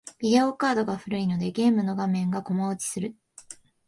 ビデオカードが古いので、ゲームの画面がコマ落ちする。